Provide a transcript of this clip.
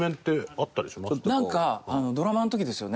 なんかドラマの時ですよね。